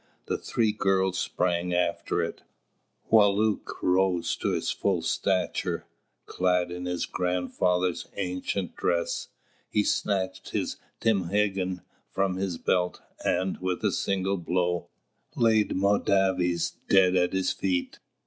The three girls sprang after it. Wālūt rose to his full stature; clad in his grandfather's ancient dress, he snatched his timhēgan from his belt and, with a single blow, laid Mōdāwes dead at his feet.